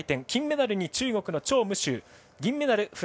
金メダルに中国の張夢秋銀メダル